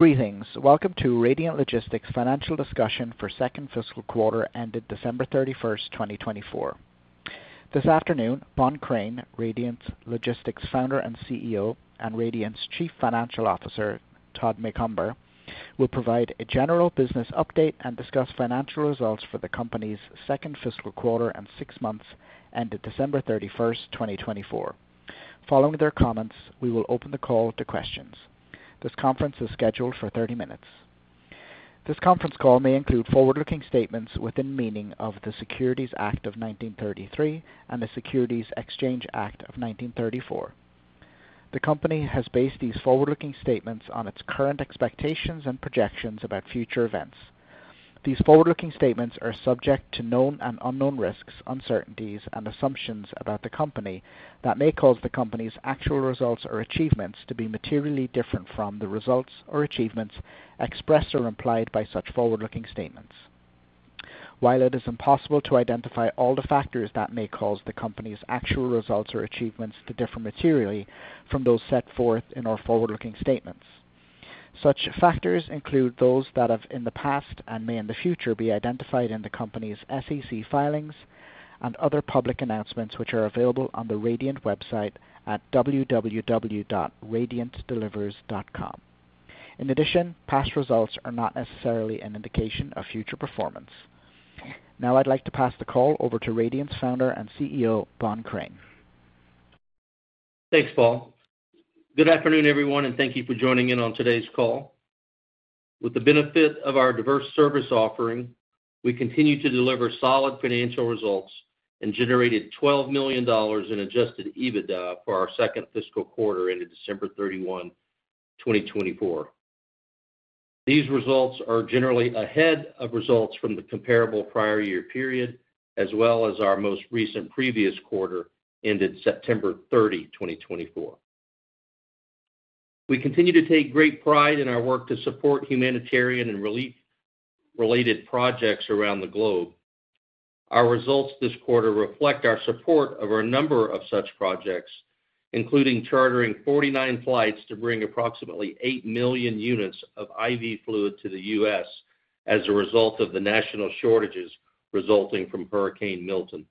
Greetings. Welcome to Radiant Logistics' Financial Discussion for Second Fiscal Quarter Ended December 31st, 2024. This afternoon, Bohn Crain, Radiant Logistics' Founder and CEO, and Radiant's Chief Financial Officer, Todd Macomber, will provide a general business update and discuss financial results for the company's second fiscal quarter and six months ended December 31st, 2024. Following their comments, we will open the call to questions. This conference is scheduled for 30 minutes. This conference call may include forward-looking statements within the meaning of the Securities Act of 1933 and the Securities Exchange Act of 1934. The company has based these forward-looking statements on its current expectations and projections about future events. These forward-looking statements are subject to known and unknown risks, uncertainties, and assumptions about the company that may cause the company's actual results or achievements to be materially different from the results or achievements expressed or implied by such forward-looking statements. While it is impossible to identify all the factors that may cause the company's actual results or achievements to differ materially from those set forth in our forward-looking statements, such factors include those that have in the past and may in the future be identified in the company's SEC filings and other public announcements which are available on the Radiant website at www.radiantdelivers.com. In addition, past results are not necessarily an indication of future performance. Now I'd like to pass the call over to Radiant's Founder and CEO, Bohn Crain. Thanks, Paul. Good afternoon, everyone, and thank you for joining in on today's call. With the benefit of our diverse service offering, we continue to deliver solid financial results and generated $12 million in adjusted EBITDA for our second fiscal quarter ended December 31, 2024. These results are generally ahead of results from the comparable prior year period, as well as our most recent previous quarter ended September 30, 2024. We continue to take great pride in our work to support humanitarian and relief-related projects around the globe. Our results this quarter reflect our support of a number of such projects, including chartering 49 flights to bring approximately 8 million units of IV fluid to the U.S. as a result of the national shortages resulting from Hurricane Milton.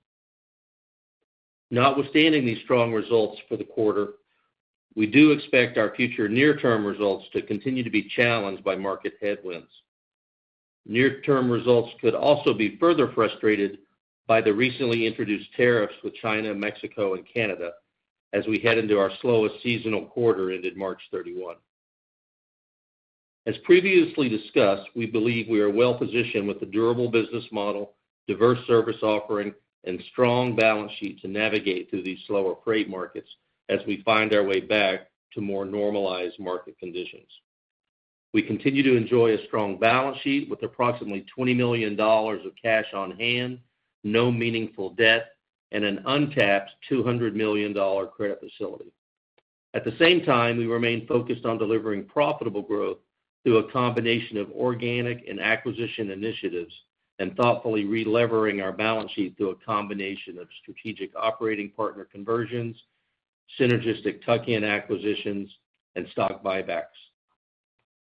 Notwithstanding these strong results for the quarter, we do expect our future near-term results to continue to be challenged by market headwinds. Near-term results could also be further frustrated by the recently introduced tariffs with China, Mexico, and Canada as we head into our slowest seasonal quarter ended March 31. As previously discussed, we believe we are well-positioned with a durable business model, diverse service offering, and strong balance sheet to navigate through these slower freight markets as we find our way back to more normalized market conditions. We continue to enjoy a strong balance sheet with approximately $20 million of cash on hand, no meaningful debt, and an untapped $200 million credit facility. At the same time, we remain focused on delivering profitable growth through a combination of organic and acquisition initiatives and thoughtfully re-levering our balance sheet through a combination of strategic operating partner conversions, synergistic tuck-in acquisitions, and stock buybacks.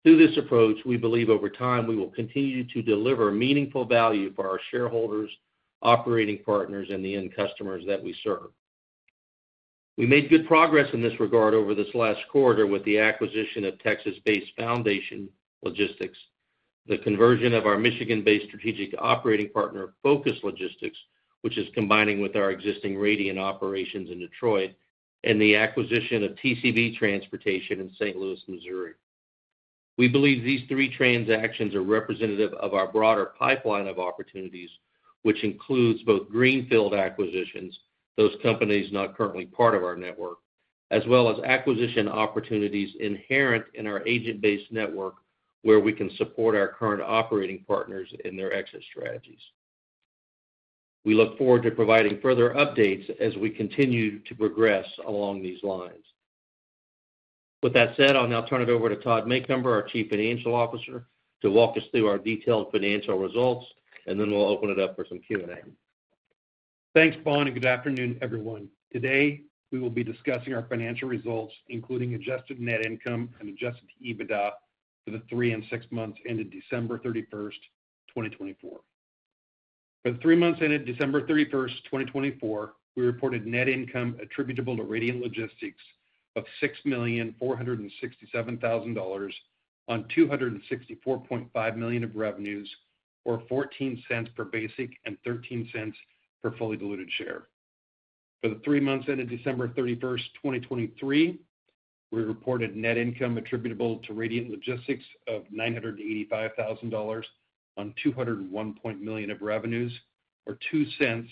Through this approach, we believe over time we will continue to deliver meaningful value for our shareholders, operating partners, and the end customers that we serve. We made good progress in this regard over this last quarter with the acquisition of Texas-based Foundation Logistics, the conversion of our Michigan-based strategic operating partner, Focus Logistics, which is combining with our existing Radiant operations in Detroit, and the acquisition of TCB Transportation in St. Louis, Missouri. We believe these three transactions are representative of our broader pipeline of opportunities, which includes both greenfield acquisitions, those companies not currently part of our network, as well as acquisition opportunities inherent in our agent-based network where we can support our current operating partners in their exit strategies. We look forward to providing further updates as we continue to progress along these lines. With that said, I'll now turn it over to Todd Macomber, our Chief Financial Officer, to walk us through our detailed financial results, and then we'll open it up for some Q&A. Thanks, Paul, and good afternoon, everyone. Today, we will be discussing our financial results, including adjusted net income and adjusted EBITDA for the three and six months ended December 31st, 2024. For the three months ended December 31st, 2024, we reported net income attributable to Radiant Logistics of $6,467,000 on $264.5 million of revenues, or $0.14 per basic and $0.13 per fully diluted share. For the three months ended December 31st, 2023, we reported net income attributable to Radiant Logistics of $985,000 on $201 million of revenues, or $0.02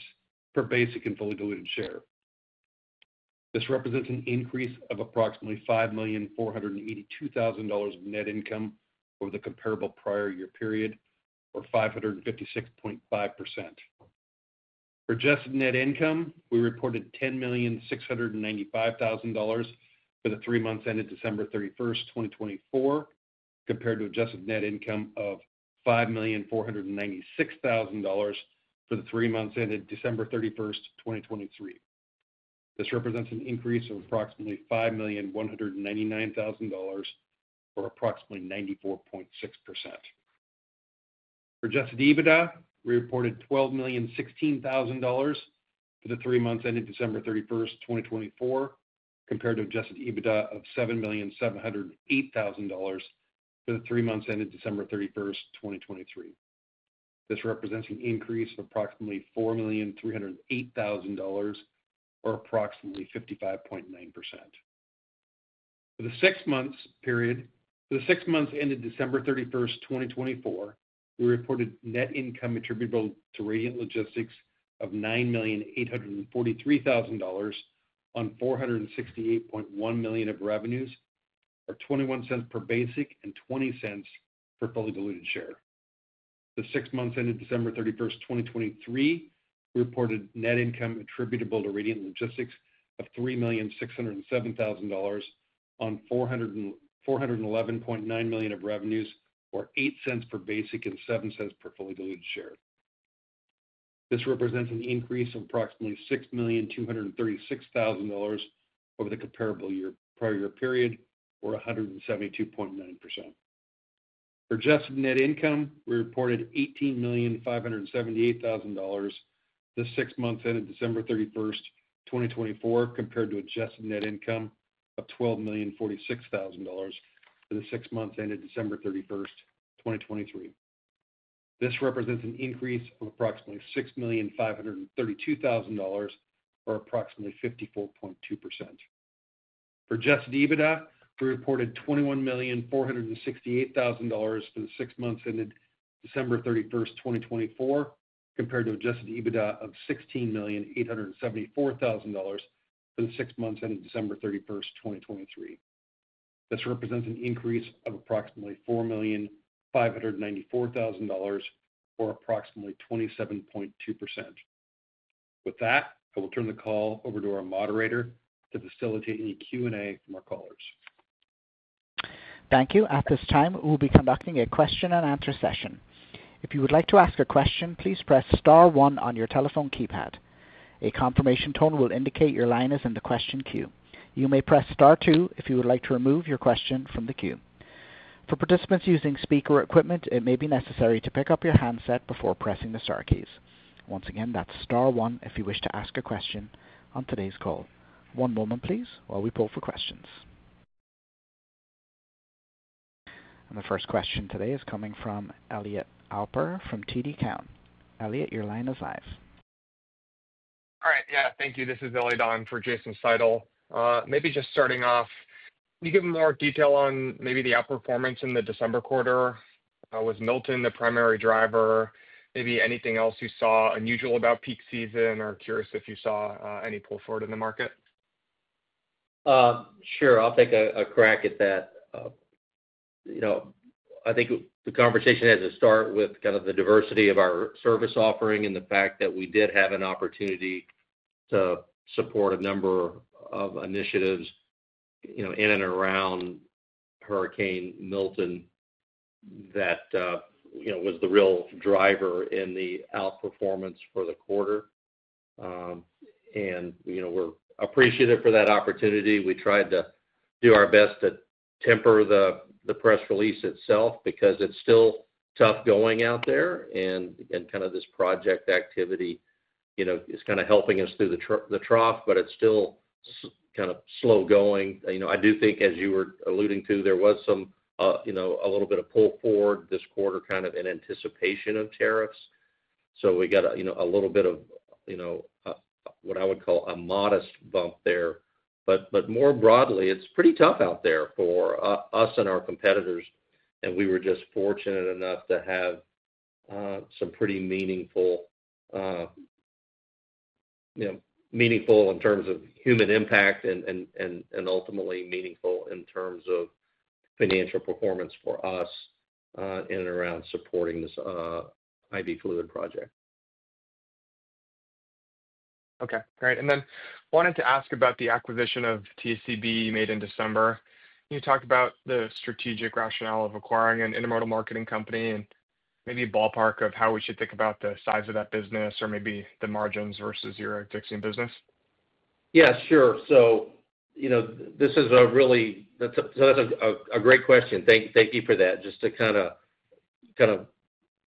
per basic and fully diluted share. This represents an increase of approximately $5,482,000 of net income over the comparable prior year period, or 556.5%. For adjusted net income, we reported $10,695,000 for the three months ended December 31st, 2024, compared to adjusted net income of for the three months ended December 31st, 2023. This represents an increase of approximately $5,199,000, or approximately 94.6%. For adjusted EBITDA, we reported $12,016,000 for the three months ended December 31st, 2024, compared to adjusted EBITDA of $7,708,000 for the three months ended December 31st, 2023. This represents an increase of approximately $4,308,000, or approximately 55.9%. For the six months ended December 31st, 2024, we reported net income attributable to Radiant Logistics of $9,843,000 on $468.1 million of revenues, or $0.21 per basic and $0.20 per fully diluted share. For the six months ended December 31st, 2023, we reported net income attributable to Radiant Logistics of $3,607,000 on $411.9 million of revenues, or $0.08 per basic and $0.07 per fully diluted share. This represents an increase of approximately $6,236,000 over the comparable prior year period, or 172.9%. For adjusted net income, we reported $18,578,000 for the six months ended December 31st, 2024, compared to adjusted net income of $12,046,000 for the six months ended December 31st, 2023. This represents an increase of approximately $6,532,000, or approximately 54.2%. For adjusted EBITDA, we reported $21,468,000 for the six months ended December 31st, 2024, compared to adjusted EBITDA of $16,874,000 for the six months ended December 31st, 2023. This represents an increase of approximately $4,594,000, or approximately 27.2%. With that, I will turn the call over to our moderator to facilitate any Q&A from our callers. Thank you. At this time, we'll be conducting a question-and-answer session. If you would like to ask a question, please press star one on your telephone keypad. A confirmation tone will indicate your line is in the question queue. You may press star two if you would like to remove your question from the queue. For participants using speaker equipment, it may be necessary to pick up your handset before pressing the star keys. Once again, that's star one if you wish to ask a question on today's call. One moment, please, while we pull for questions. The first question today is coming from Elliot Alper from TD Cowen. Elliot, your line is live. All right. Yeah, thank you. This is Elliot Alper for Jason Seidl. Maybe just starting off, can you give more detail on maybe the outperformance in the December quarter? Was Milton the primary driver? Maybe anything else you saw unusual about peak season or curious if you saw any pull forward in the market? Sure. I'll take a crack at that. I think the conversation has to start with kind of the diversity of our service offering and the fact that we did have an opportunity to support a number of initiatives in and around Hurricane Milton that was the real driver in the outperformance for the quarter. We're appreciative for that opportunity. We tried to do our best to temper the press release itself because it's still tough going out there. Kind of this project activity is kind of helping us through the trough, but it's still kind of slow going. I do think, as you were alluding to, there was a little bit of pull forward this quarter kind of in anticipation of tariffs. We got a little bit of what I would call a modest bump there. More broadly, it's pretty tough out there for us and our competitors. We were just fortunate enough to have some pretty meaningful, in terms of human impact and ultimately meaningful in terms of financial performance for us, in and around supporting this IV fluid project. Okay. Great. I wanted to ask about the acquisition of TCB made in December. Can you talk about the strategic rationale of acquiring an intermodal marketing company and maybe a ballpark of how we should think about the size of that business or maybe the margins versus your existing business? Yeah, sure. This is a really—that's a great question. Thank you for that. Just to kind of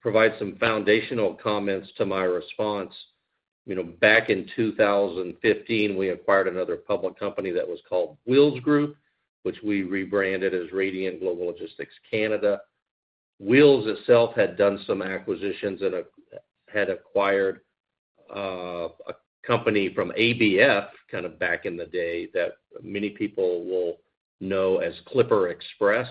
provide some foundational comments to my response. Back in 2015, we acquired another public company that was called Wheels Group, which we rebranded as Radiant Global Logistics Canada. Wheels itself had done some acquisitions and had acquired a company from ABF kind of back in the day that many people will know as Clipper Exxpress.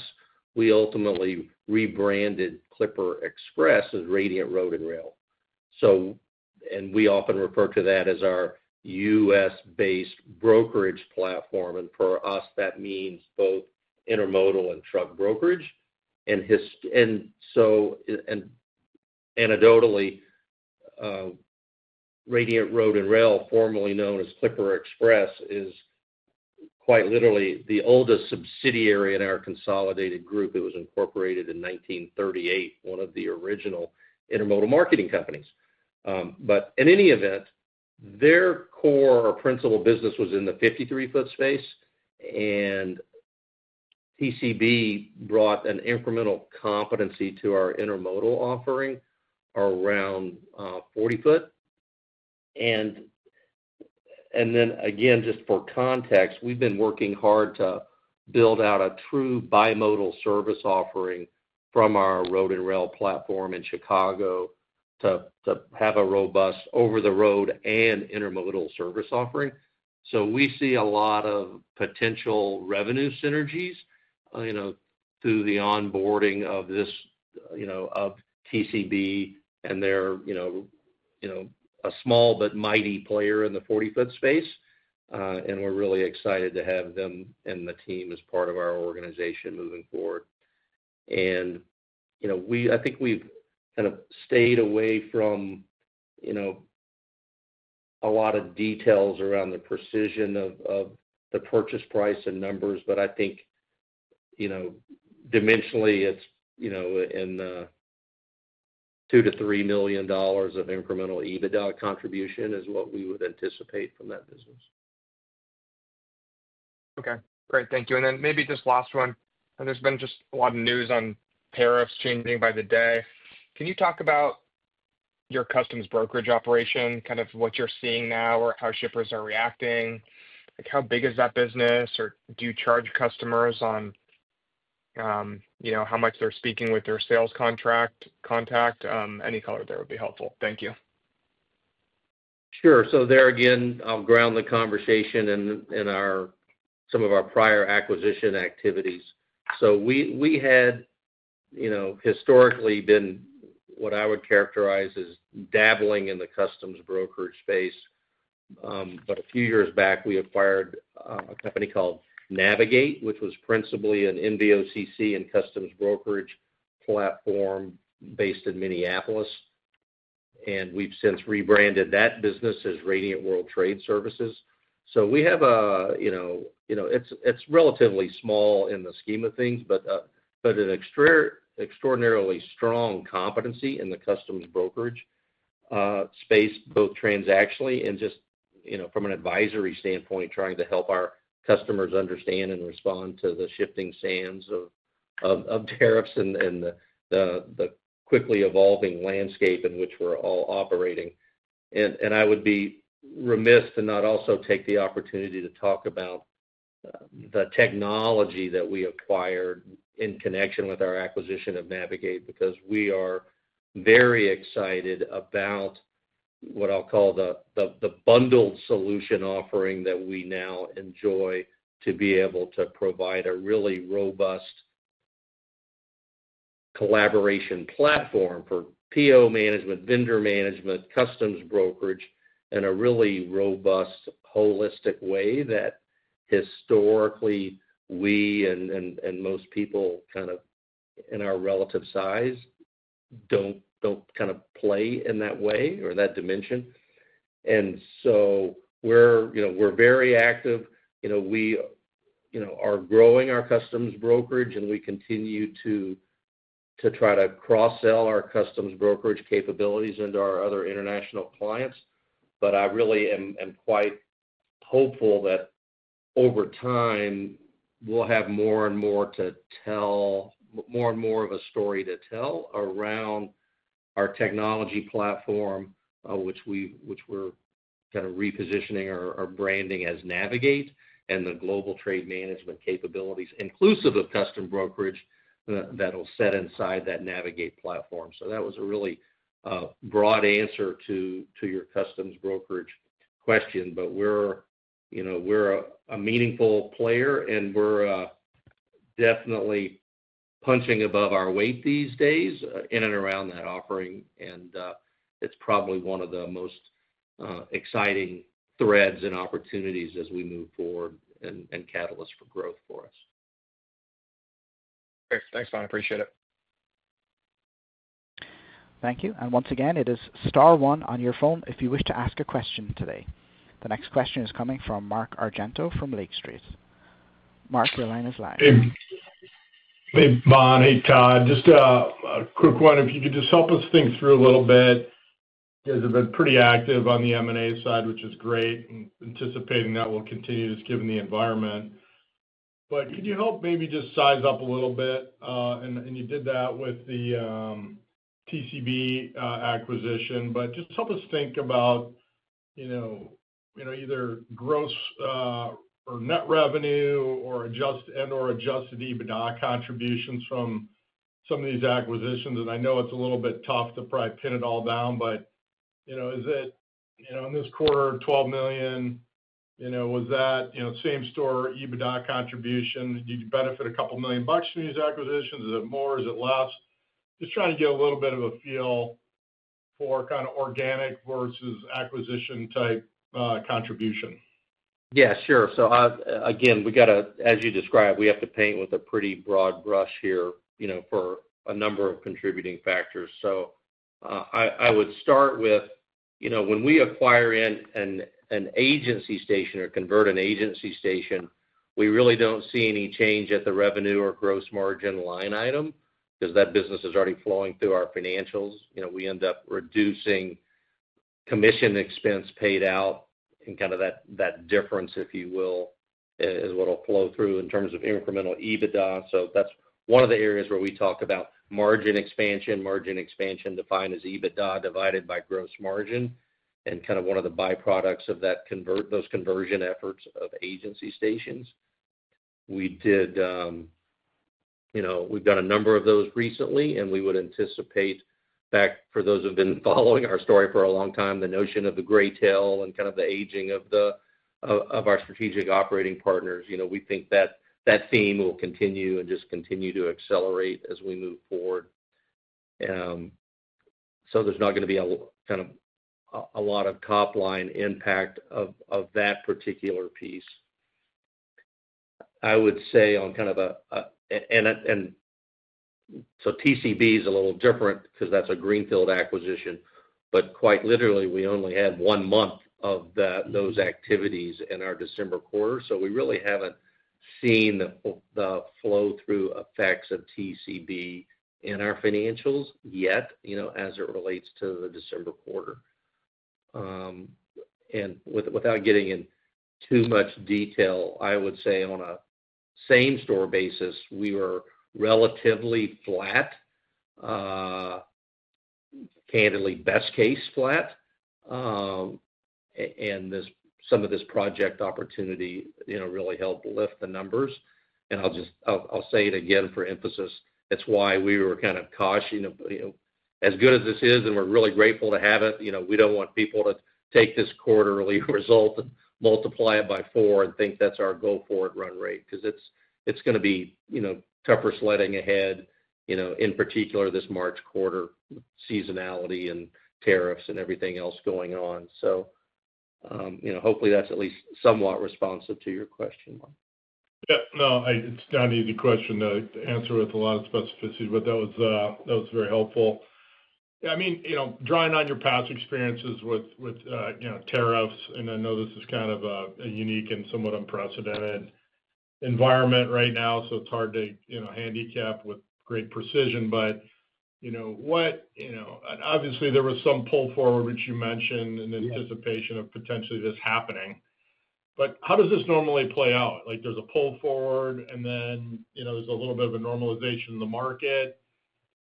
We ultimately rebranded Clipper Exxpress as Radiant Road and Rail. We often refer to that as our U.S.-based brokerage platform. For us, that means both intermodal and truck brokerage. Anecdotally, Radiant Road and Rail, formerly known as Clipper Exxpress, is quite literally the oldest subsidiary in our consolidated group. It was incorporated in 1938, one of the original intermodal marketing companies. In any event, their core or principal business was in the 53 ft space. TCB brought an incremental competency to our intermodal offering around 40 ft. Just for context, we've been working hard to build out a true bimodal service offering from our Road and Rail platform in Chicago to have a robust over-the-road and intermodal service offering. We see a lot of potential revenue synergies through the onboarding of TCB and their small but mighty player in the 40 ft space. We're really excited to have them and the team as part of our organization moving forward. I think we've kind of stayed away from a lot of details around the precision of the purchase price and numbers. I think dimensionally, it's in the $2 million-$3 million of incremental EBITDA contribution is what we would anticipate from that business. Okay. Great. Thank you. Maybe just last one. There's been just a lot of news on tariffs changing by the day. Can you talk about your customs brokerage operation, kind of what you're seeing now or how shippers are reacting? How big is that business? Do you charge customers on how much they're speaking with their sales contract contact? Any color there would be helpful. Thank you. Sure. There again, I'll ground the conversation in some of our prior acquisition activities. We had historically been what I would characterize as dabbling in the customs brokerage space. A few years back, we acquired a company called Navegate, which was principally an NVOCC and customs brokerage platform based in Minneapolis. We have since rebranded that business as Radiant World Trade Services. It is relatively small in the scheme of things, but an extraordinarily strong competency in the customs brokerage space, both transactionally and just from an advisory standpoint, trying to help our customers understand and respond to the shifting sands of tariffs and the quickly evolving landscape in which we're all operating. I would be remiss to not also take the opportunity to talk about the technology that we acquired in connection with our acquisition of Navegate because we are very excited about what I'll call the bundled solution offering that we now enjoy to be able to provide a really robust collaboration platform for PO management, vendor management, customs brokerage, and a really robust holistic way that historically we and most people kind of in our relative size don't kind of play in that way or that dimension. We are very active. We are growing our customs brokerage, and we continue to try to cross-sell our customs brokerage capabilities into our other international clients. I really am quite hopeful that over time, we'll have more and more to tell, more and more of a story to tell around our technology platform, which we're kind of repositioning our branding as Navegate and the global trade management capabilities, inclusive of customs brokerage that'll set inside that Navegate platform. That was a really broad answer to your customs brokerage question, but we're a meaningful player, and we're definitely punching above our weight these days in and around that offering. It's probably one of the most exciting threads and opportunities as we move forward and catalyst for growth for us. Great. Thanks, Bohn. Appreciate it. Thank you. Once again, it is star one on your phone if you wish to ask a question today. The next question is coming from Mark Argento from Lake Street. Mark, your line is live. Hey, Bohn, Todd. Just a quick one. If you could just help us think through a little bit. You guys have been pretty active on the M&A side, which is great. Anticipating that will continue just given the environment. Could you help maybe just size up a little bit? You did that with the TCB acquisition. Just help us think about either gross or net revenue and/or adjusted EBITDA contributions from some of these acquisitions. I know it's a little bit tough to probably pin it all down, but is it in this quarter, $12 million, was that same store EBITDA contribution? Did you benefit a couple million bucks from these acquisitions? Is it more? Is it less? Just trying to get a little bit of a feel for kind of organic versus acquisition-type contribution. Yeah, sure. Again, we got to, as you described, we have to paint with a pretty broad brush here for a number of contributing factors. I would start with when we acquire an agency station or convert an agency station, we really do not see any change at the revenue or gross margin line item because that business is already flowing through our financials. We end up reducing commission expense paid out, and kind of that difference, if you will, is what will flow through in terms of incremental EBITDA. That is one of the areas where we talk about margin expansion, margin expansion defined as EBITDA divided by gross margin, and kind of one of the byproducts of those conversion efforts of agency stations. We've done a number of those recently, and we would anticipate back for those who have been following our story for a long time, the notion of the gray tail and kind of the aging of our strategic operating partners. We think that theme will continue and just continue to accelerate as we move forward. There is not going to be kind of a lot of top-line impact of that particular piece. I would say on kind of a—and so TCB is a little different because that's a greenfield acquisition. Quite literally, we only had one month of those activities in our December quarter. We really haven't seen the flow-through effects of TCB in our financials yet as it relates to the December quarter. Without getting in too much detail, I would say on a same-store basis, we were relatively flat, candidly, best-case flat. Some of this project opportunity really helped lift the numbers. I'll say it again for emphasis. It's why we were kind of cautioned. As good as this is, and we're really grateful to have it, we don't want people to take this quarterly result and multiply it by four and think that's our go-forward run rate because it's going to be tougher sledding ahead, in particular this March quarter, seasonality and tariffs and everything else going on. Hopefully, that's at least somewhat responsive to your question, Mark. Yeah. No, it's not an easy question to answer with a lot of specificity, but that was very helpful. Yeah. I mean, drawing on your past experiences with tariffs, and I know this is kind of a unique and somewhat unprecedented environment right now, so it's hard to handicap with great precision. Obviously, there was some pull forward, which you mentioned, in anticipation of potentially this happening. How does this normally play out? There's a pull forward, and then there's a little bit of a normalization in the market.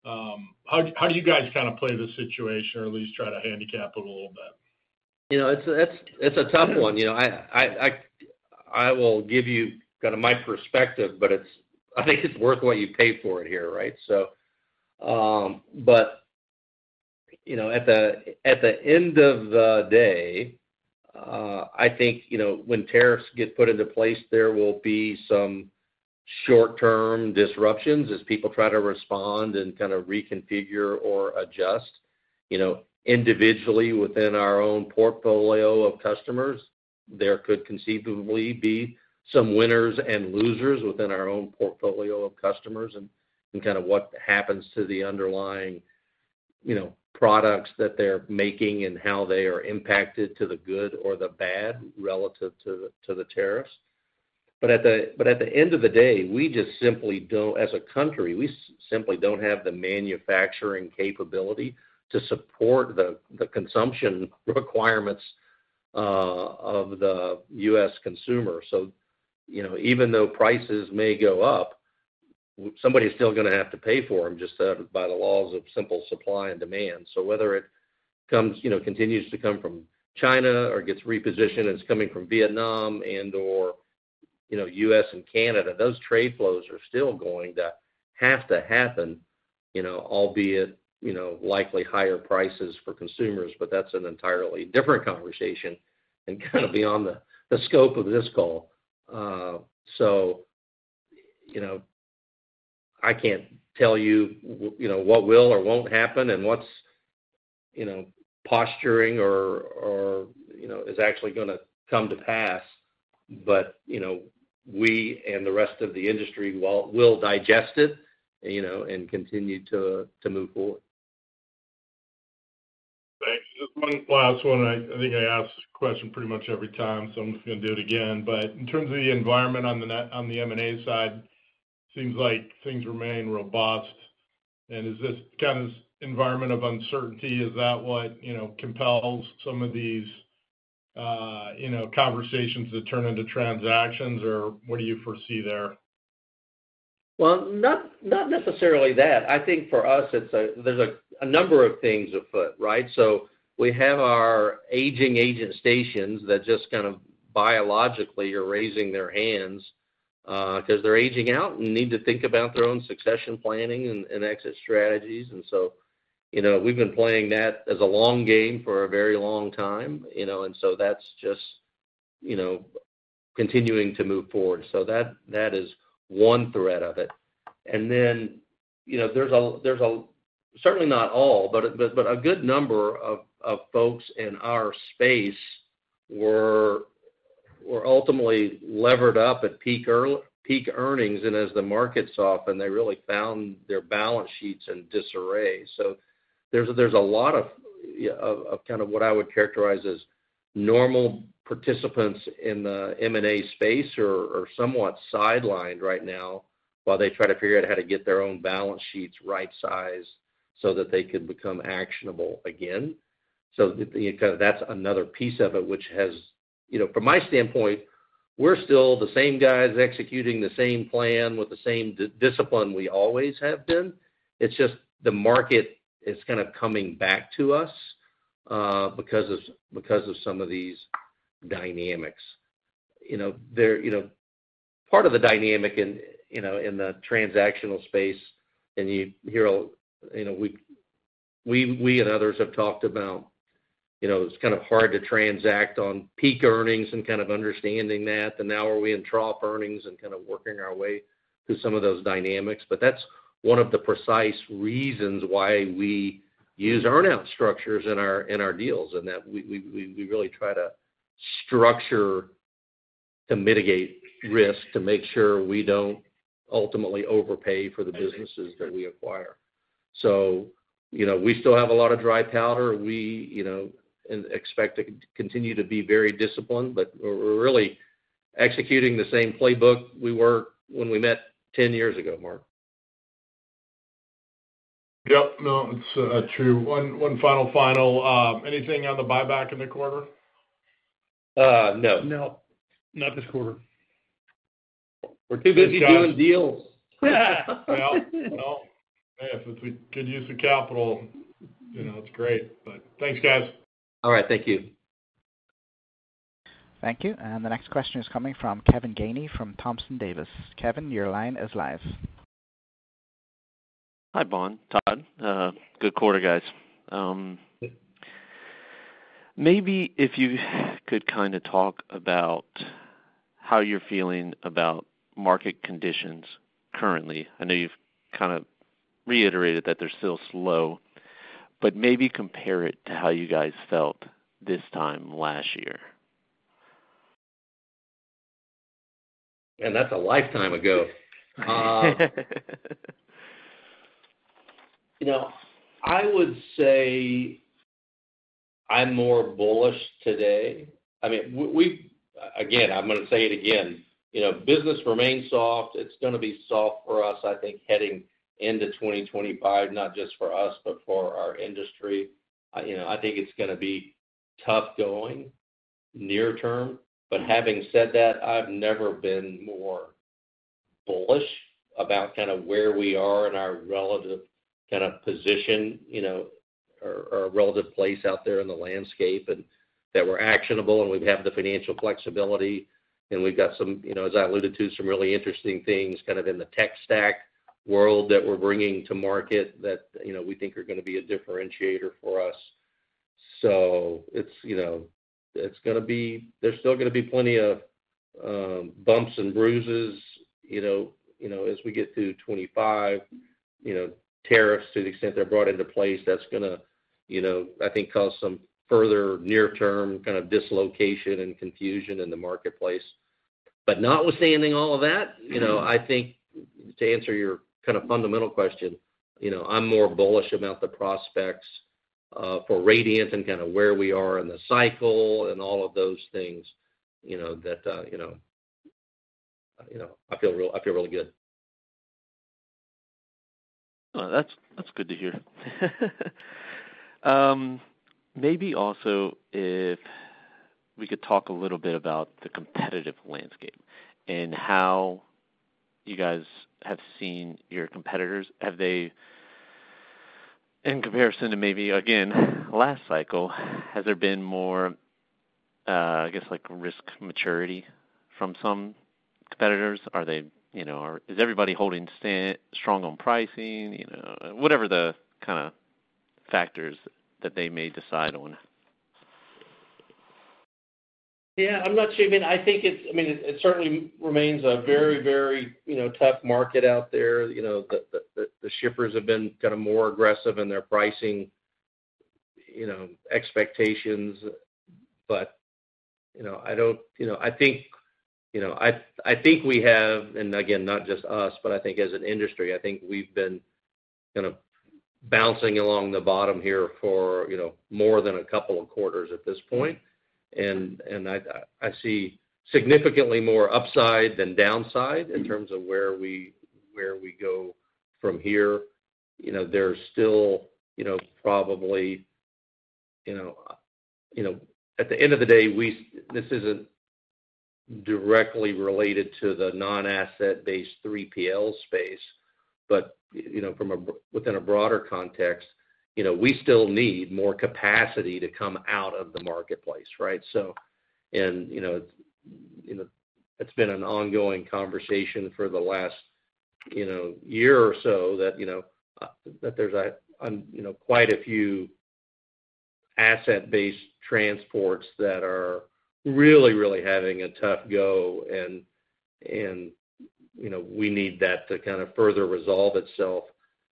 How do you guys kind of play this situation or at least try to handicap it a little bit? It's a tough one. I will give you kind of my perspective, but I think it's worth what you pay for it here, right? At the end of the day, I think when tariffs get put into place, there will be some short-term disruptions as people try to respond and kind of reconfigure or adjust. Individually, within our own portfolio of customers, there could conceivably be some winners and losers within our own portfolio of customers and kind of what happens to the underlying products that they're making and how they are impacted to the good or the bad relative to the tariffs. At the end of the day, we just simply don't, as a country, we simply don't have the manufacturing capability to support the consumption requirements of the U.S. consumer. Even though prices may go up, somebody's still going to have to pay for them just by the laws of simple supply and demand. Whether it continues to come from China or gets repositioned and is coming from Vietnam and/or U.S. and Canada, those trade flows are still going to have to happen, albeit likely higher prices for consumers. That is an entirely different conversation and kind of beyond the scope of this call. I can't tell you what will or won't happen and what's posturing or is actually going to come to pass. We and the rest of the industry will digest it and continue to move forward. Thanks. Just one last one. I think I ask this question pretty much every time, so I'm just going to do it again. In terms of the environment on the M&A side, it seems like things remain robust. Is this kind of environment of uncertainty, is that what compels some of these conversations to turn into transactions, or what do you foresee there? I think for us, there's a number of things afoot, right? We have our aging agent stations that just kind of biologically are raising their hands because they're aging out and need to think about their own succession planning and exit strategies. We've been playing that as a long game for a very long time. That is just continuing to move forward. That is one thread of it. There are certainly not all, but a good number of folks in our space who were ultimately levered up at peak earnings. As the markets softened, they really found their balance sheets in disarray. There is a lot of kind of what I would characterize as normal participants in the M&A space are somewhat sidelined right now while they try to figure out how to get their own balance sheets right-sized so that they can become actionable again. That is another piece of it, which has, from my standpoint, we are still the same guys executing the same plan with the same discipline we always have been. It is just the market is kind of coming back to us because of some of these dynamics. Part of the dynamic in the transactional space, and you hear we and others have talked about it is kind of hard to transact on peak earnings and kind of understanding that. Now we are in trough earnings and kind of working our way through some of those dynamics. That is one of the precise reasons why we use earn-out structures in our deals and that we really try to structure to mitigate risk to make sure we do not ultimately overpay for the businesses that we acquire. We still have a lot of dry powder. We expect to continue to be very disciplined, but we are really executing the same playbook we were when we met 10 years ago, Mark. Yep. No, it's true. One final, final. Anything on the buyback in the quarter? No. No. Not this quarter. We're too busy doing deals. If we could use the capital, it's great. But thanks, guys. All right. Thank you. Thank you. The next question is coming from Kevin Gainey from Thompson Davis. Kevin, your line is live. Hi, Bohn, Todd. Good quarter, guys. Maybe if you could kind of talk about how you're feeling about market conditions currently. I know you've kind of reiterated that they're still slow, but maybe compare it to how you guys felt this time last year. That's a lifetime ago. I would say I'm more bullish today. I mean, again, I'm going to say it again. Business remains soft. It's going to be soft for us, I think, heading into 2025, not just for us, but for our industry. I think it's going to be tough going near term. Having said that, I've never been more bullish about kind of where we are in our relative kind of position or relative place out there in the landscape and that we're actionable and we have the financial flexibility. We've got some, as I alluded to, some really interesting things kind of in the tech stack world that we're bringing to market that we think are going to be a differentiator for us. It's going to be there's still going to be plenty of bumps and bruises as we get through 2025. Tariffs, to the extent they're brought into place, that's going to, I think, cause some further near-term kind of dislocation and confusion in the marketplace. Notwithstanding all of that, I think, to answer your kind of fundamental question, I'm more bullish about the prospects for Radiant and kind of where we are in the cycle and all of those things that I feel really good. That's good to hear. Maybe also if we could talk a little bit about the competitive landscape and how you guys have seen your competitors. In comparison to maybe, again, last cycle, has there been more, I guess, risk maturity from some competitors? Is everybody holding strong on pricing, whatever the kind of factors that they may decide on? Yeah. I'm not sure. I mean, I think it certainly remains a very, very tough market out there. The shippers have been kind of more aggressive in their pricing expectations. I think we have, and again, not just us, but I think as an industry, I think we've been kind of bouncing along the bottom here for more than a couple of quarters at this point. I see significantly more upside than downside in terms of where we go from here. There's still probably at the end of the day, this isn't directly related to the non-asset-based 3PL space, but within a broader context, we still need more capacity to come out of the marketplace, right? It's been an ongoing conversation for the last year or so that there's quite a few asset-based transports that are really, really having a tough go. We need that to kind of further resolve itself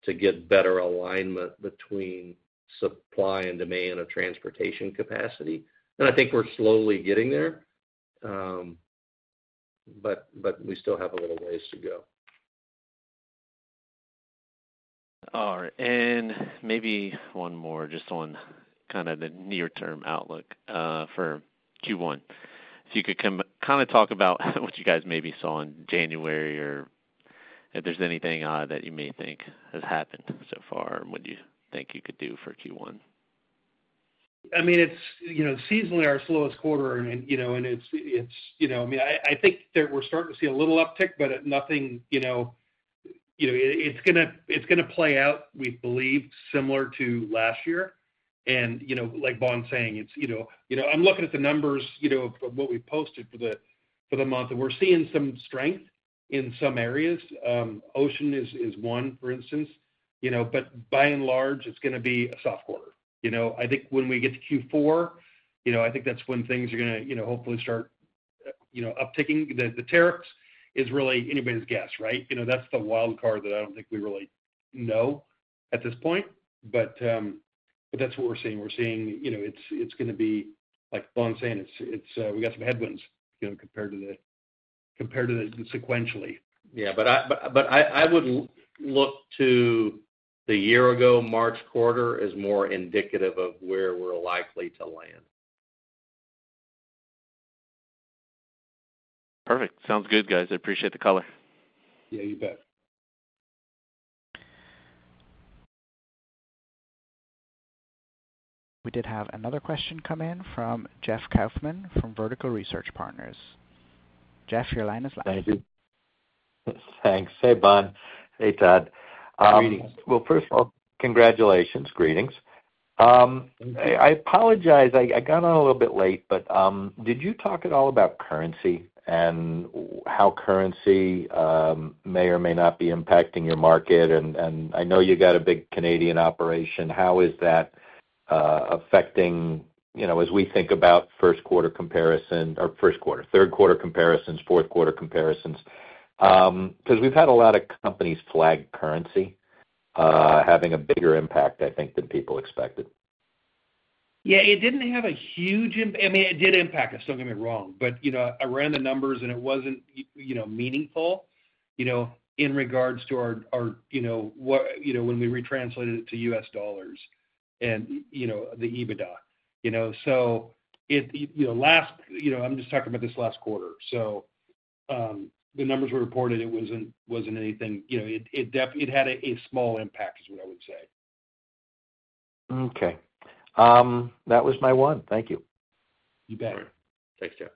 to get better alignment between supply and demand of transportation capacity. I think we're slowly getting there, but we still have a little ways to go. All right. Maybe one more, just on kind of the near-term outlook for Q1. If you could kind of talk about what you guys maybe saw in January or if there is anything that you may think has happened so far and what you think you could do for Q1. I mean, seasonally our slowest quarter, and it's, I mean, I think we're starting to see a little uptick, but nothing it's going to play out, we believe, similar to last year. Like Bohn's saying, I'm looking at the numbers of what we posted for the month, and we're seeing some strength in some areas. Ocean is one, for instance. By and large, it's going to be a soft quarter. I think when we get to Q4, I think that's when things are going to hopefully start upticking. The tariffs is really anybody's guess, right? That's the wild card that I don't think we really know at this point. That's what we're seeing. We're seeing it's going to be, like Bohn's saying, we got some headwinds compared to the sequentially. Yeah. I would look to the year-ago March quarter as more indicative of where we're likely to land. Perfect. Sounds good, guys. I appreciate the color. Yeah, you bet. We did have another question come in from Jeff Kauffman from Vertical Research Partners. Jeff, your line is live. Thank you. Thanks. Hey, Bohn. Hey, Todd. Greetings. First of all, congratulations. Greetings. I apologize. I got on a little bit late, but did you talk at all about currency and how currency may or may not be impacting your market? I know you got a big Canadian operation. How is that affecting as we think about first-quarter comparison or first quarter, third-quarter comparisons, fourth-quarter comparisons? Because we have had a lot of companies flag currency having a bigger impact, I think, than people expected. Yeah. It did not have a huge impact. I mean, it did impact, do not get me wrong. But I ran the numbers, and it was not meaningful in regards to our when we retranslated it to U.S. dollars and the EBITDA. Last, I am just talking about this last quarter. The numbers were reported. It was not anything, it had a small impact is what I would say. Okay. That was my one. Thank you. You bet. Thanks, Jeff.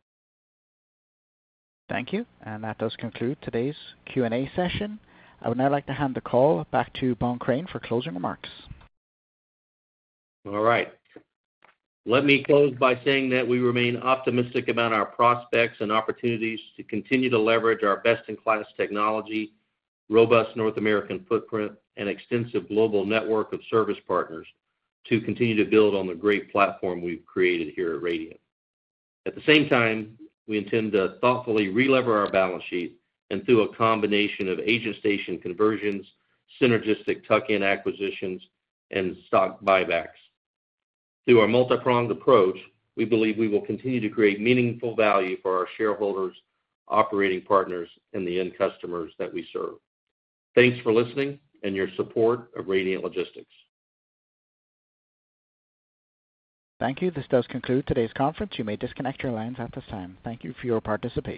Thank you. That does conclude today's Q&A session. I would now like to hand the call back to Bohn Crain for closing remarks. All right. Let me close by saying that we remain optimistic about our prospects and opportunities to continue to leverage our best-in-class technology, robust North American footprint, and extensive global network of service partners to continue to build on the great platform we've created here at Radiant. At the same time, we intend to thoughtfully re-lever our balance sheet and through a combination of agent station conversions, synergistic tuck-in acquisitions, and stock buybacks. Through our multi-pronged approach, we believe we will continue to create meaningful value for our shareholders, operating partners, and the end customers that we serve. Thanks for listening and your support of Radiant Logistics. Thank you. This does conclude today's conference. You may disconnect your lines at this time. Thank you for your participation.